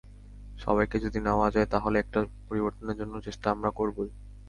সবাইকে যদি নেওয়া যায় তাহলে একটা পরিবর্তনের জন্য চেষ্টা আমরা করবই।